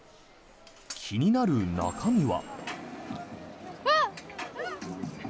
気になる中身は。